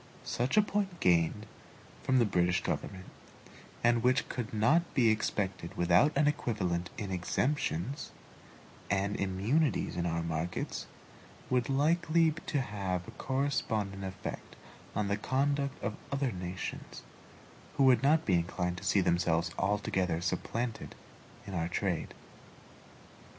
Such a point gained from the British government, and which could not be expected without an equivalent in exemptions and immunities in our markets, would be likely to have a correspondent effect on the conduct of other nations, who would not be inclined to see themselves altogether supplanted in our trade.